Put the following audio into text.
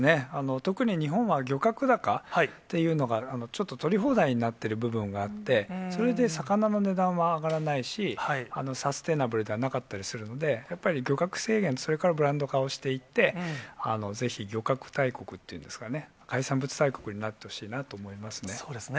特に日本は漁獲高っていうのがちょっと取り放題になっている部分があって、それで魚の値段は上がらないし、サステナブルではなかったりするんで、やっぱり漁獲制限、それからブランド化をしていって、ぜひ漁獲大国っていうんですかね、海産物大国になってほしいなと思いますね。